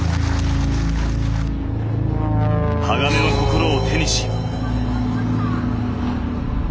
鋼の心を手にし。